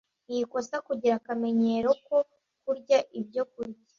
Ni ikosa kugira akamenyero ko kurya ibyokurya